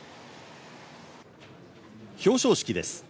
表彰式です